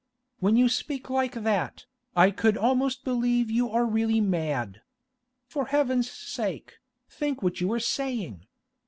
When you speak like that, I could almost believe you are really mad. For Heaven's sake, think what you are saying!